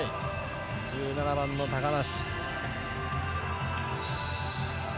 １７番の高梨。